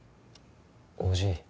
おじい。